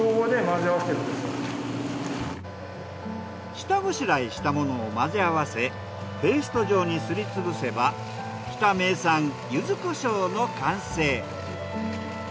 下ごしらえしたものを混ぜ合わせペースト状にすりつぶせば日田名産柚子胡椒の完成。